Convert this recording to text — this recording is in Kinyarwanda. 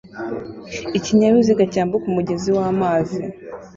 Ikinyabiziga cyambuka umugezi w'amazi